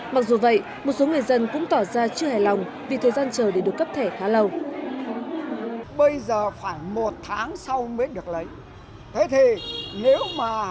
mặc dù vậy một số người dân cũng tỏ ra chưa hài lòng vì thời gian chờ để được cấp thẻ khá lâu